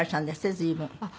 随分。